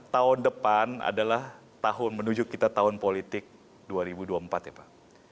tahun depan adalah tahun menuju kita tahun politik dua ribu dua puluh empat ya pak